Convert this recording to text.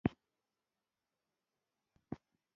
زه د ټلویزیون پروګرام تنظیموم.